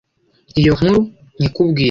iyo nkuru nyikubwire